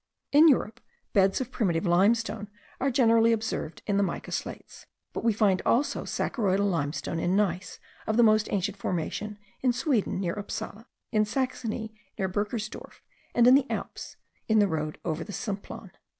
In Europe beds of primitive limestone are generally observed in the mica slates; but we find also saccharoidal limestone in gneiss of the most ancient formation, in Sweden near Upsala, in Saxony near Burkersdorf, and in the Alps in the road over the Simplon.